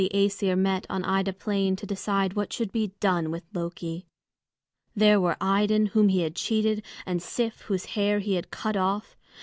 KILL HIM!"] The Æsir met on Ida Plain to decide what should be done with Loki. There were Idun whom he had cheated, and Sif whose hair he had cut off.